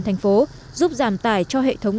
thành phố giúp giảm tải cho hệ thống